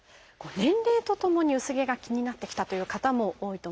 年齢とともに薄毛が気になってきたという方も多いと思います。